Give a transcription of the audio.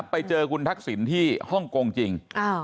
ไปเจอพี่ทักษินธรรมต์ที่ฮ่องกงถึง